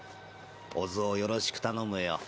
小津をよろしく頼むよ。